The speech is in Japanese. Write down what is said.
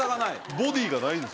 ボディーがないんです。